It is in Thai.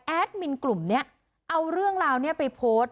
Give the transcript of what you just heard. มินกลุ่มนี้เอาเรื่องราวนี้ไปโพสต์